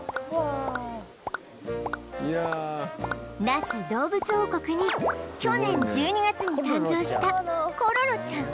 那須どうぶつ王国に去年１２月に誕生したコロロちゃん